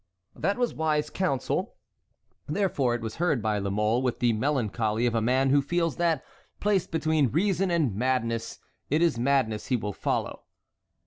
That was wise council. Therefore it was heard by La Mole with the melancholy of a man who feels that, placed between reason and madness, it is madness he will follow.